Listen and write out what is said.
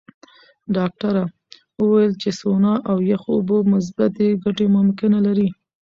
ډاکټره وویل چې سونا او یخو اوبو مثبتې ګټې ممکنه لري.